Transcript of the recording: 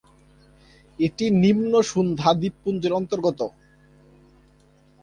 এটি নিম্ন সুন্দা দ্বীপপুঞ্জের অন্তর্গত।